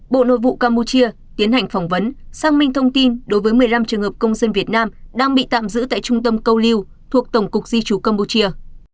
bộ nội vụ campuchia tiến hành phỏng vấn xác minh thông tin đối với một mươi năm trường hợp công dân việt nam đang bị tạm giữ tại trung tâm câu lưu thuộc tổng cục di chú campuchia